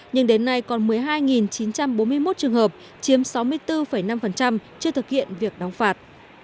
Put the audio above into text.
nhưng đến nay còn một mươi hai chín trăm bốn mươi một trường hợp chiếm sáu mươi bốn năm chưa thực hiện việc đóng phạt